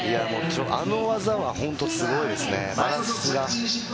あの技は本当にすごいですね、バランスが。